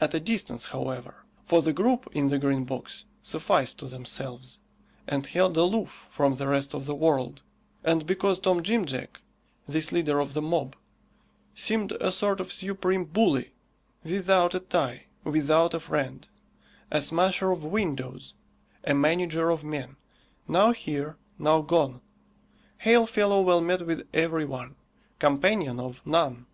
At a distance, however, for the group in the Green Box sufficed to themselves, and held aloof from the rest of the world, and because Tom Jim Jack, this leader of the mob, seemed a sort of supreme bully, without a tie, without a friend; a smasher of windows, a manager of men, now here, now gone, hail fellow well met with every one, companion of none.